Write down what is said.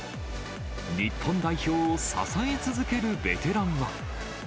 日本代表を支え続けるベテランは。